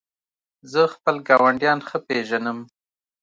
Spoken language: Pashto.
زه خپل ګاونډیان ښه پېژنم.